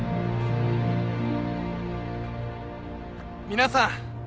皆さん